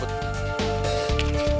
baru kuhawatar rwxo